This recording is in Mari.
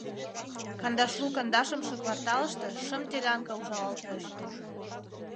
— Кандашлу кандашымше кварталыште шым делянка ужалалтеш.